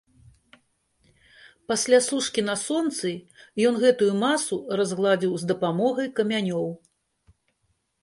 Пасля сушкі на сонцы, ён гэтую масу разгладзіў з дапамогай камянёў.